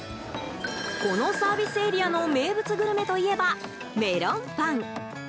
このサービスエリアの名物グルメといえばメロンパン。